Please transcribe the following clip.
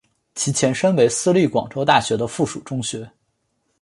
其前身为私立广州大学的附属中学。